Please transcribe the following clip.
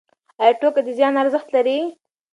ایا ټوکه د زیان ارزښت لري؟